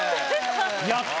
やった！